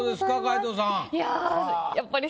皆藤さん。